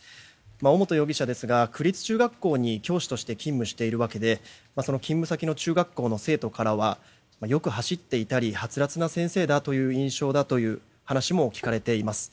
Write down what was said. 尾本容疑者ですが区立中学校に教師として勤務しているわけでその勤務先の中学校の生徒からはよく走っていたりはつらつな先生だという印象だという話も聞かれています。